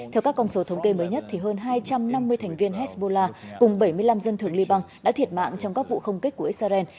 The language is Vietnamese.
theo các con số thống kê mới nhất hơn hai trăm năm mươi thành viên hezbollah cùng bảy mươi năm dân thường liban đã thiệt mạng trong các vụ không kích của israel